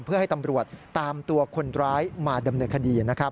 เพื่อให้ตำรวจตามตัวคนร้ายมาดำเนินคดีนะครับ